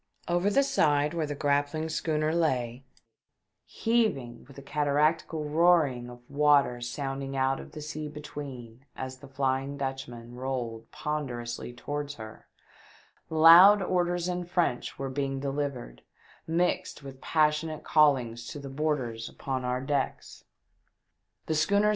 Over the side, where the grappling schooner lay, heaving with a cataractal roaring of water sounding out of the sea between, as the Fly ing Dutchman rolled ponderously towards her, loud orders in French were being de livered, mixed with passionate callings to the boarders upon our decks ; the schooner's 2 I] 370 THE DEAT?